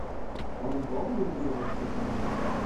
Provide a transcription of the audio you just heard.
Warum brauchen wir diese Rechtssicherheit?